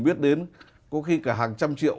biết đến có khi cả hàng trăm triệu